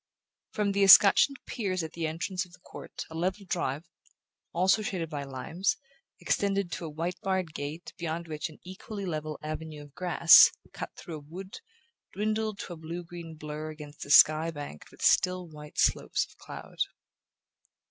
From the escutcheoned piers at the entrance of the court a level drive, also shaded by limes, extended to a white barred gate beyond which an equally level avenue of grass, cut through a wood, dwindled to a blue green blur against a sky banked with still white slopes of cloud.